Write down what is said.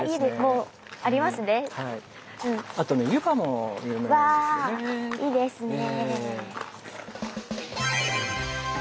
うわいいですね。